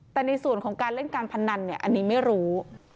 แต่ในส่วนของการเล่นการพนันเนี่ยอันนี้ไม่รู้